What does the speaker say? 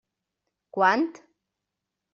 Quant?